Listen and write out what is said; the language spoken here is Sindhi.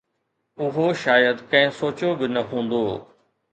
اهو شايد ڪنهن سوچيو به نه هوندو